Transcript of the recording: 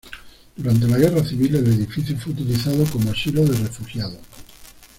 Durante la Guerra Civil el edificio fue utilizado como asilo de refugiados.